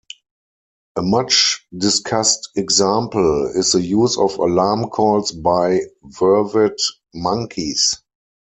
A much discussed example is the use of alarm calls by vervet monkeys.